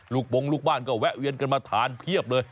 ปงลูกบ้านก็แวะเวียนกันมาทานเพียบเลย